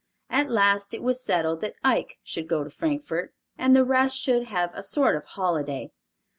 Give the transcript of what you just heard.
At last it was settled that Ike should go to Frankfort, and the rest should have a sort of holiday.